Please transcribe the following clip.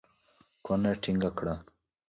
کونه ټينګه کړه.